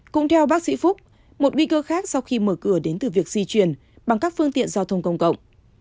cũng theo bác sĩ phúc một nguy cơ khác sau khi mở cửa đến từ việc di chuyển bằng các phương tiện giao thông công cộng